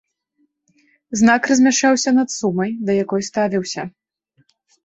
Знак размяшчаўся над сумай, да якой ставіўся.